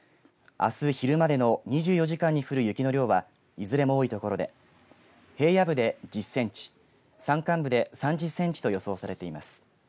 あす昼までの２４時間に降る雪の量はいずれも多い所で平野部で１０センチ山間部で３０センチと予想されています。